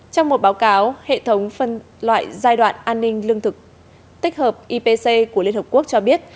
trong một báo cáo hệ thống phân loại giai đoạn an ninh lương thực tích hợp ipc của liên hợp quốc cho biết